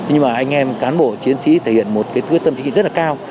nhưng mà anh em cán bộ chiến sĩ thể hiện một cái quyết tâm chính trị rất là cao